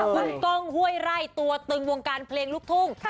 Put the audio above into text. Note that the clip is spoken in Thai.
คุณก้องห้วยไร่ตัวตึงวงการเพลงลูกทุ่ง